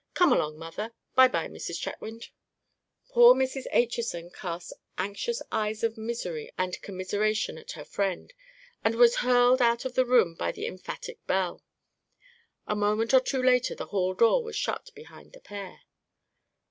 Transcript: Come along, mother. By by, Mrs. Chetwynd." Poor Mrs. Acheson cast anxious eyes of misery and commiseration at her friend, and was hurled out of the room by the emphatic Belle. A moment or two later the hall door was shut behind the pair.